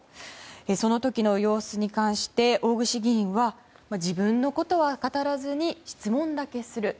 その時の様子に関して大串議員は自分のことは語らずに質問だけする。